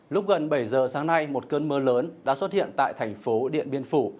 lúc gần bảy giờ sáng nay một cơn mưa lớn đã xuất hiện tại thành phố điện biên phủ